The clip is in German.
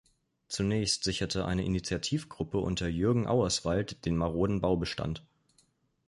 Zunächst sicherte eine Initiativgruppe unter Jürgen Auerswald den maroden Baubestand.